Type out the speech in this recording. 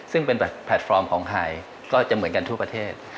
ซึ่งเป็นแพลตฟอร์มของไทยก็จะเหมือนกันทั่วประเทศ